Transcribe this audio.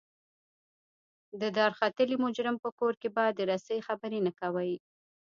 د دارختلي مجرم په کور کې به د رسۍ خبرې نه کوئ.